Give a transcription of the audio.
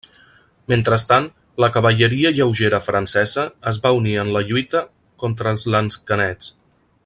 Mentrestant, la cavalleria lleugera francesa es va unir en la lluita contra els lansquenets.